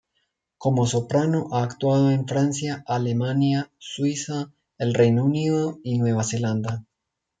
Como soprano, ha actuado en Francia, Alemania, Suiza, el Reino Unido y Nueva Zelanda.